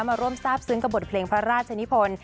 มาร่วมทราบซึ้งกับบทเพลงพระราชนิพล